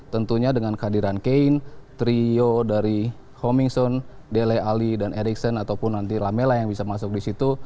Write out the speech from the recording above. tentunya dengan kehadiran kane trio dari homingson dele ali dan ericson ataupun nanti lamela yang bisa masuk di situ